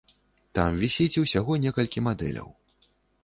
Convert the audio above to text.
Там вісіць усяго некалькі мадэляў.